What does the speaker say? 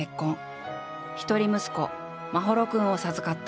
一人息子眞秀君を授かった。